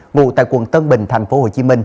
ngụ tại quận tân bình tp hcm